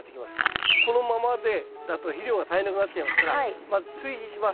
このままだと肥料が足りなくなっちゃいますからまず追肥します。